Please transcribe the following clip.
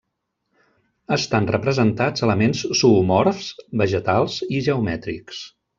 Estan representats elements zoomorfs, vegetals i geomètrics.